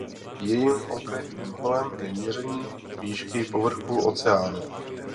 Jejím konkrétním úkolem je měření výšky povrchu oceánů.